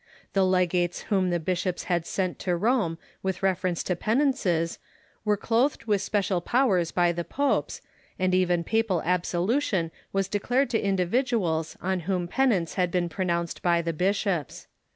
The legates whom the bishops had sent to Rome with reference to penances were clothed with special powers by the popes, and even papal absolution was declared to individuals on whom penance had been pronounced by the bishops.